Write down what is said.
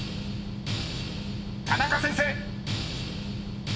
［田中先生］